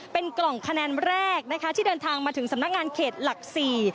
เป็นกล่องคะแนนแรกนะคะที่เดินทางมาถึงสำนักงานเขตหลักสี่